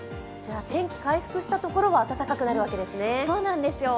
天気回復したところは暖かくなるわけなんですね？